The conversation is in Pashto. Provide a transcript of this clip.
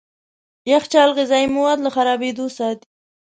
يخچال غذايي مواد له خرابېدو ساتي.